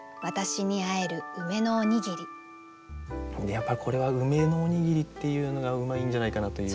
やっぱりこれは「梅のおにぎり」っていうのがうまいんじゃないかなという。